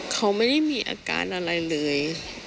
เขาไม่ได้มีอาการอะไรเลย